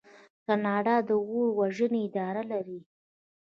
کاناډا د اور وژنې اداره لري.